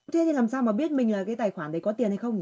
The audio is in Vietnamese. thế thì làm sao mà biết mình là cái tài khoản này có tiền hay không nhỉ